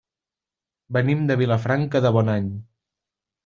Venim de Vilafranca de Bonany.